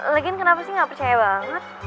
lagiin kenapa sih gak percaya banget